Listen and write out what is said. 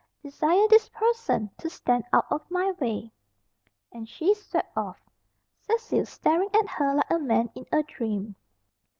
"Desire this person to stand out of my way." And she swept off, Cecil staring at her like a man in a dream.